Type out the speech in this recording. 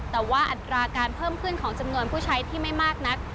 แต่ว่าอัตราการเพิ่มขึ้นของจำนวนผู้ใช้ที่ไม่มากนัก